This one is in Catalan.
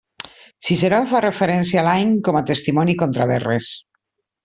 Ciceró en fa referència l'any com a testimoni contra Verres.